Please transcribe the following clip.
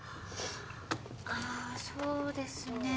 あそうですね